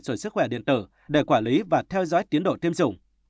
rồi sức khỏe điện tử để quản lý và theo dõi tiến độ tiêm chủng